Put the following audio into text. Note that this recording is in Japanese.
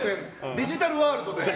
デジタルワールドで。